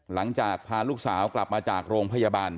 หลังจากพาลูกสาวกลับมาจากโรงพยาบาล